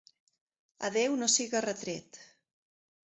A Déu no siga retret.